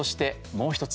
もう１つ